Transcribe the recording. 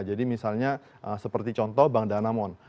jadi misalnya seperti contoh bank danamon